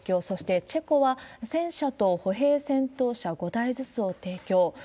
そして、チェコは戦車と歩兵戦闘車５台ずつを提供。